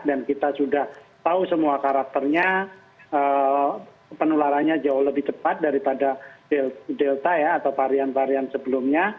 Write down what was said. dan kita sudah tahu semua karakternya penularannya jauh lebih cepat daripada delta ya atau varian varian sebelumnya